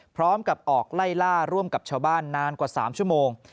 พร้อมกับออกไล่ล่าร่วมกับชาวบ้านนานกว่า๓ชั่วโมง